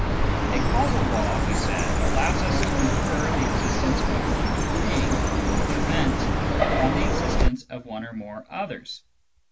A causal law, we said, allows us to infer the existence of one thing (or event) from the existence of one or more others.